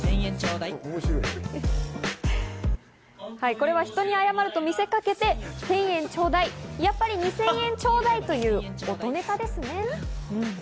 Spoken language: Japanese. これは人に謝ると見せかけて千円ちょうだい、やっぱり二千円ちょうだいという音ネタですね。